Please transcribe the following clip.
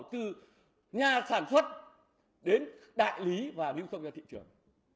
từ nhà sản xuất đến đại lý và lưu thông ra thị trường